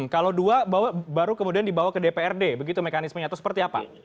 kalau dua baru kemudian dibawa ke dprd begitu mekanismenya atau seperti apa